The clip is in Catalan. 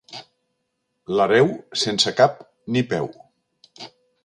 L'hereu, sense cap ni peu.